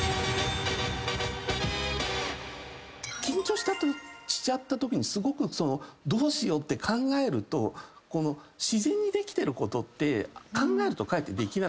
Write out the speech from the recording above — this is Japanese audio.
緊張しちゃったときにすごくどうしようって考えると自然にできてることって考えるとかえってできなくなるじゃない。